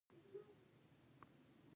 د افغانستان طبیعت له یاقوت څخه جوړ شوی دی.